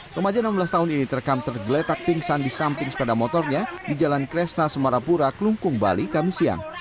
pemaja enam belas tahun ini terekam tergeletak pingsan di samping sepeda motornya di jalan kresna semarapura kelungkung bali khamisian